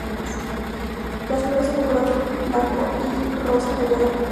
Las flores son de color blanco y rosa, rayado con lavanda.